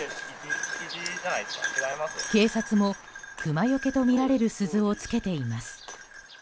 警察もクマよけとみられる鈴をつけています。